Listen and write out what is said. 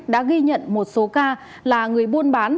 đã ghi nhận một số ca là người buôn bán